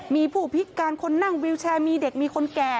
มีผู้พิการคนนั่งวิวแชร์มีเด็กมีคนแก่